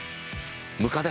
ムカデ